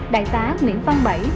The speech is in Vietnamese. đại tá nguyễn văn bảy